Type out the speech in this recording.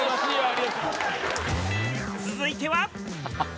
続いては。